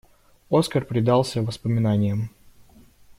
Оскар предался воспоминаниям.